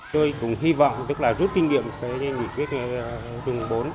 tôi cũng hy vọng tức là rút kinh nghiệm về nghị quyết đường bốn